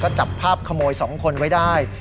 ก็จับภาพขโมย๒คนไว้ได้